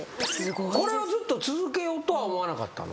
これはずっと続けようとは思わなかったの？